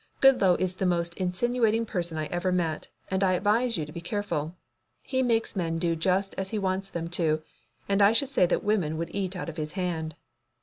"Goodloe is the most insinuating person I ever met, and I advise you to be careful. He makes men do just as he wants them to, and I should say that women would eat out of his hand."